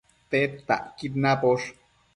Tedtacquid naposh